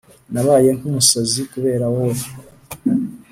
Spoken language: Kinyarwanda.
Nabaye nk’umusazi kubera wowe